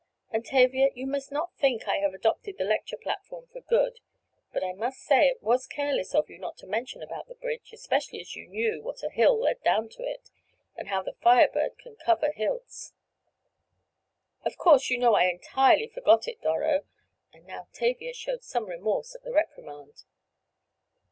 And, Tavia, you must not think I have adopted the lecture platform for good, but I must say, it was careless of you not to mention about the bridge—especially as you knew what a hill led down to it, and how the Fire Bird can cover hills." "Of course you know I entirely forgot it, Doro," and now Tavia showed some remorse at the reprimand.